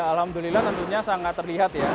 alhamdulillah tentunya sangat terlihat ya